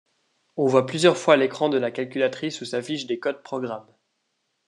On voit plusieurs fois l'écran de la calculatrice où s'affichent des codes programmes.